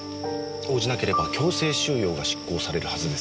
応じなければ強制収用が執行されるはずです。